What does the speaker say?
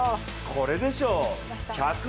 これでしょう。